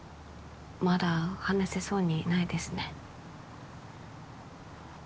まだ話せそうにないですね